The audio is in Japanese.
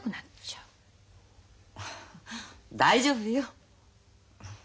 大丈夫よ。